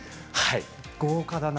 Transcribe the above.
豪華だな